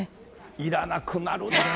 いらなくなるなー。